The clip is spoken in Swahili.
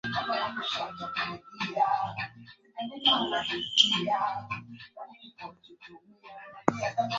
Sawa sawa.